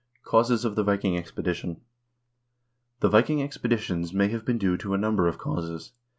Causes of the Viking Expeditions The Viking expeditions may have been due to a number of causes.